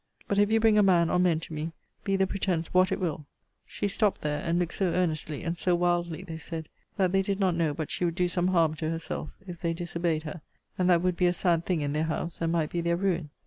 But if you bring a man or men to me, be the pretence what it will She stopt there, and looked so earnestly, and so wildly, they said, that they did not know but she would do some harm to herself, if they disobeyed her; and that would be a sad thing in their house, and might be their ruin.